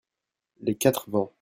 Les quatres vents.